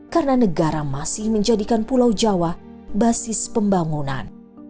karena negara masih menjadikan pulau jawa basis pembangunan